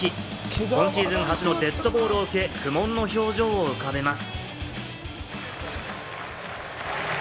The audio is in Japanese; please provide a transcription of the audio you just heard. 今シーズン初のデッドボールを受け、苦悶の表情を浮かべます。